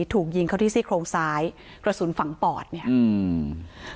ถูกยิงเขาที่ซี่โครงซ้ายกระสุนฝังปอดเนี่ยอืม